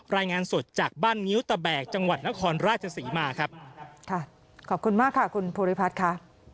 รายงานสดจากบ้านงิ้วตะแบกจังหวัดนครราชศรีมาครับค่ะขอบคุณมากค่ะคุณภูริพัฒน์ค่ะ